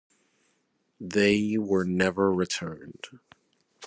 They were never returned.